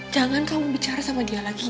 jangan kamu bicara sama dia lagi